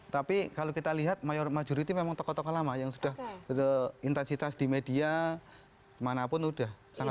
tapi kalau kita lihat majority memang tokoh tokoh lama yang sudah intensitas di media manapun sudah sangat